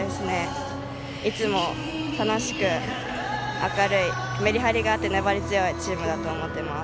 いつも楽しく明るいメリハリがあって粘り強いチームだと思っています。